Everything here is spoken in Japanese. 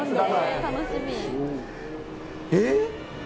えっ！？